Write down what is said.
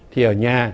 thì ở nhà